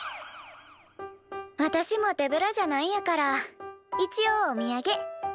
私も手ぶらじゃ何やから一応おみやげ。